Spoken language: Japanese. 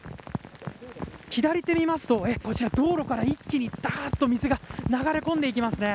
左手を見ますと、道路から一気にダーッと水が流れ込んでいきますね。